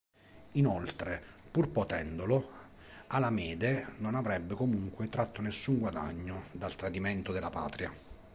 Inoltre, pur potendolo, Palamede non avrebbe comunque tratto nessun guadagno dal tradimento della patria.